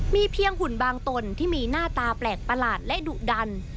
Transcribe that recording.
มีเพียงหุ่นบางตนที่มีหน้าตาแปลกประหลาดและดุดัน